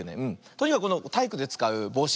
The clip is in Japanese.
とにかくこのたいいくでつかうぼうし